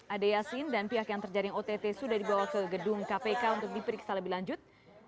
ade yasin dan pihak yang terjaring ott sudah dibawa ke gedung kpk untuk diperiksa lebih lanjut